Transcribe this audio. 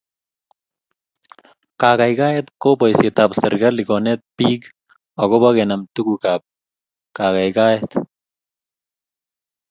kaikaikaet ko boisietab serkali konet bik agobo kenam tugukab kagaigaigaet